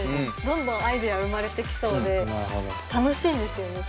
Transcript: どんどんアイデア生まれてきそうで楽しいですよね。